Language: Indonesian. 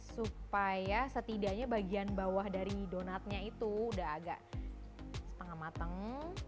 supaya setidaknya bagian bawah dari donatnya itu udah agak setengah mateng